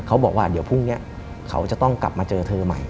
เขาบอกว่าเดี๋ยวพรุ่งนี้เขาจะต้องกลับมาเจอเธอใหม่